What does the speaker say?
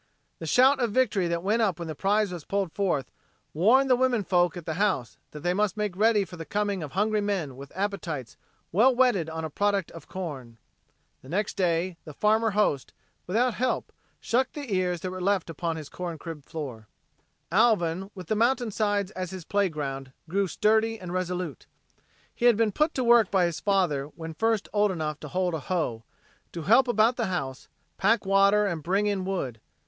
The shout of victory that went up when the prize was pulled forth warned the women folk at the house that they must make ready for the coming of hungry men with appetites well whetted on a product of corn. The next day, the farmer host, without help, shucked the ears that were left upon his corn crib floor. Alvin with the mountainsides as his playground grew sturdy and resolute. He had been put to work by his father when first old enough to hold a hoe, to help about the house, pack water and bring in wood.